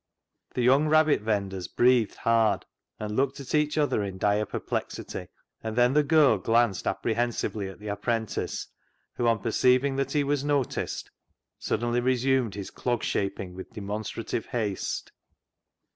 The young rabbit vendors breathed hard and looked at each other in dire perplexity, and then the girl glanced apprehensively at the apprentice, who, on perceiving that he was noticed, suddenly resumed his clog shaping with demonstrative haste.